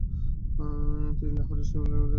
তিনি লাহোরের শিখ বাওলি ধ্বংস করেন।